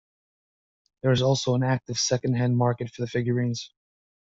There is also an active second-hand market for the figurines.